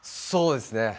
そうですね。